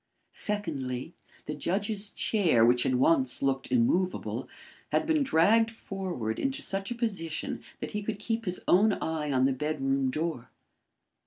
Secondly, the judge's chair, which had once looked immovable, had been dragged forward into such a position that he could keep his own eye on the bedroom door.